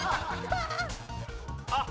あっ！